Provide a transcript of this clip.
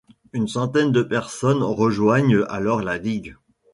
Une centaine de personnes rejoignent alors la Ligue.